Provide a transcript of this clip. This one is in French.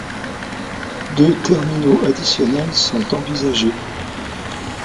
Deux terminaux additionnels sont envisagés.